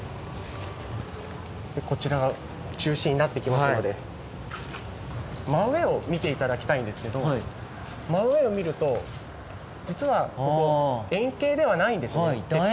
こちらが中心になってきますので、真上を見ていただきたいんですけど、真上を見ると、実はここ、だ円形ですね。